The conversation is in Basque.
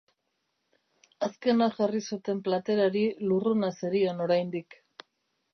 Azkena jarri zuten platerari lurruna zerion oraindik.